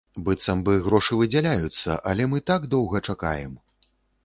Быццам бы грошы выдзяляюцца, але мы так доўга чакаем.